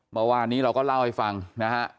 เมื่อวานนี้เราก็เล่าให้ฟังนะฮะ